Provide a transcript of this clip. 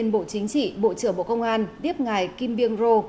bộ chính trị bộ trưởng bộ công an tiếp ngài kim biên rô